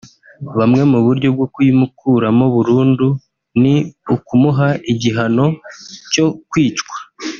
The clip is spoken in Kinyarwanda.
Bumwe mu buryo bwo kuyimukuramo burundu ni ukumuha igihano cyo kwicwa